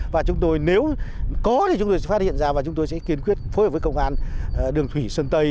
và chúng tôi nếu có thì chúng tôi phát hiện ra và chúng tôi sẽ kiên quyết phối hợp với công an đường thủy sơn tây